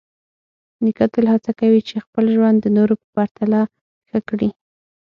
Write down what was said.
نیکه تل هڅه کوي چې خپل ژوند د نورو په پرتله ښه کړي.